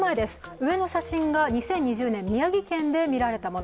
上の写真が２０２０年、宮城県でみられたもの。